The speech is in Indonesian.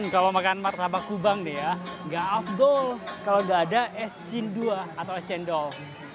kalau makan martabak kubang ya tidak ada es cindua atau es cindol